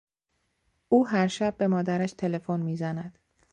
او هر شب به مادرش تلفن میزند.